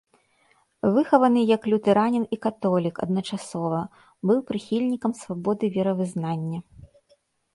Выхаваны як лютэранін і католік адначасова, быў прыхільнікам свабоды веравызнання.